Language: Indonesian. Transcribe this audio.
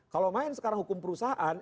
kalau main sekarang hukum perusahaan